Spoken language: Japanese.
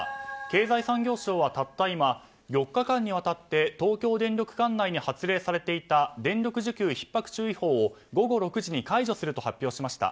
経済産業省はたった今４日間にわたって東京電力管内に発令されていた電力需給ひっ迫注意報を午後６時に解除すると発表しました。